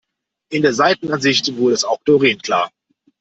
In der Seitenansicht wurde es auch Doreen klar.